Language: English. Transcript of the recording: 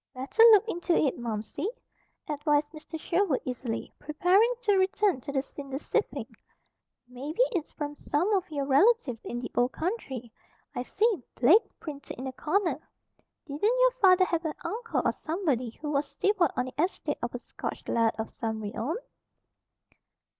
"Better look into it, Momsey," advised Mr. Sherwood easily, preparing to return to the cinder sifting. "Maybe it's from some of your relatives in the Old Country. I see 'Blake' printed in the corner. Didn't your father have an uncle or somebody, who was steward on the estate of a Scotch Laird of some renown?"